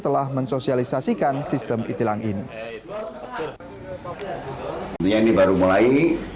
telah mensosialisasikan sistem e tilang ini